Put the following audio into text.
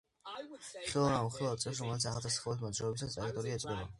ხილულ ან უხილავ წირს, რომელიც აღწერს სხეული მოძრაობისას, ტრაექტორია ეწოდება.